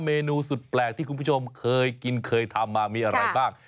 เมนูสุดแปลกที่คุณผู้ชมเคยกินเคยทำมามีอะไรบ้าง